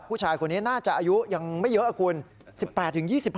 ผู้ชายคนนี้น่าจะอายุยังไม่เยอะคุณ๑๘๒๕